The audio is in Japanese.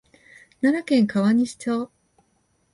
奈良県川西町